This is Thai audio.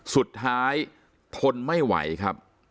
สุดท้ายทนไม่ไหวครับ